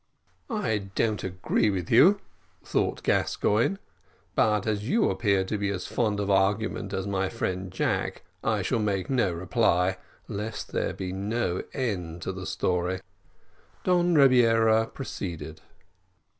"I don't agree with you," thought Gascoigne; "but as you appear to be as fond of argument as my friend Jack, I shall make no reply, lest there he no end to the story." Don Rebiera proceeded.